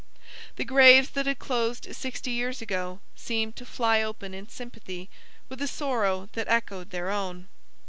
The graves that had closed sixty years ago, seemed to fly open in sympathy with a sorrow that echoed their own.